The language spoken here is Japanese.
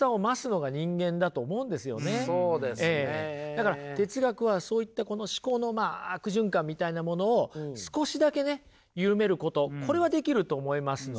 だから哲学はそういったこの思考のまあ悪循環みたいなものを少しだけね緩めることこれはできると思いますので。